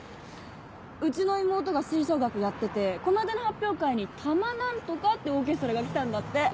うちの妹が吹奏楽やっててこの間の発表会に「玉何とか」ってオーケストラが来たんだって。